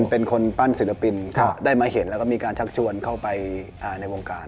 เป็นคนปั้นศิลปินก็ได้มาเห็นแล้วก็มีการชักชวนเข้าไปในวงการ